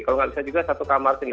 kalau nggak bisa juga satu kamar sini